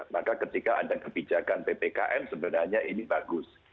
maka ketika ada kebijakan ppkm sebenarnya ini bagus